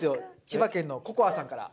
千葉県のここあさんから。